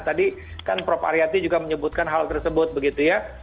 tadi kan prof aryati juga menyebutkan hal tersebut begitu ya